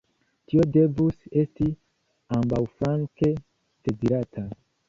Tio devus esti ambaŭflanke dezirata.